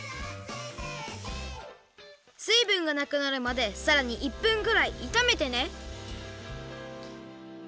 すいぶんがなくなるまでさらに１分ぐらいいためてね。